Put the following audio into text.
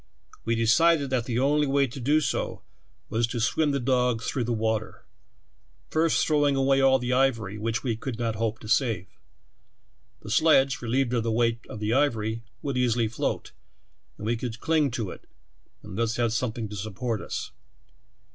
We decided that the onl}" wa}" to do so was to swim the dogs through the water, first throwing awa} all the ivor3q which we could not hope to save. The sledge, relieved of the weight of the ivor}", would easity float, and we could cling to it, and thus have something to support us.